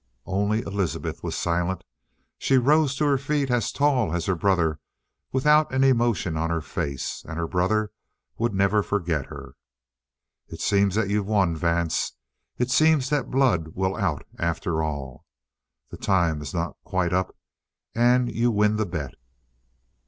Only Elizabeth was silent. She rose to her feet, as tall as her brother, without an emotion on her face. And her brother would never forget her. "It seems that you've won, Vance. It seems that blood will out, after all. The time is not quite up and you win the bet!"